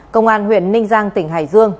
công an huyện ninh giang tỉnh hải dương